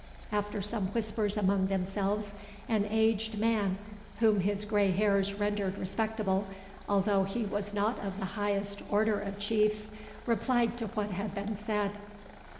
After some whispers among themselves, an aged man, whom his grey hairs rendered respectable, although he was not of the highest order of Chiefs, replied to what had been said.